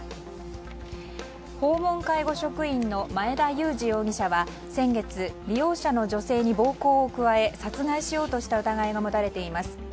訪問介護職員の前田祐二容疑者は先月、利用者の女性に暴行を加え、殺害しようとした疑いが持たれています。